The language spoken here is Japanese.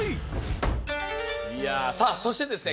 さあそしてですね